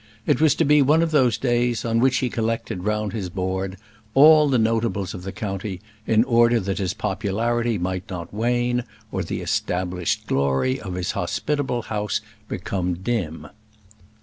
It was to be one of those days on which he collected round his board all the notables of the county, in order that his popularity might not wane, or the established glory of his hospitable house become dim.